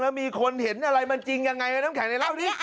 แล้วมีคนเห็นมันจริงอายะไงนับแข่งละเล่า